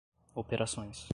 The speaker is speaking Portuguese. operações